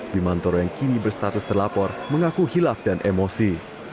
bimantoro yang kini berstatus terlapor mengaku hilaf dan emosi